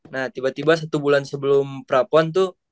nah tiba tiba satu bulan sebelum prapon tuh